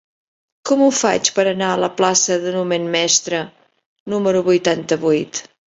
Com ho faig per anar a la plaça de Numen Mestre número vuitanta-vuit?